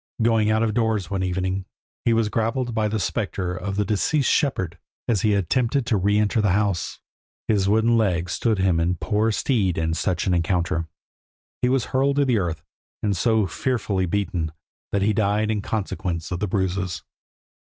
Going out of doors one evening, he was grappled by the spectre of the deceased shepherd as he attempted to re enter the house. His wooden leg stood him in poor stead in such an encounter; he was hurled to the earth, and so fearfully beaten, that he died in consequence of the bruises.